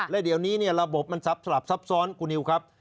และเดี๋ยวนี้ระบบมันซับซ้อนคุณนิวครับ